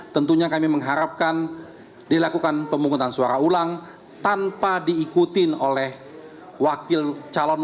tentunya kami mengharapkan dilakukan pemungutan suara ulang tanpa diikutin oleh wakil calon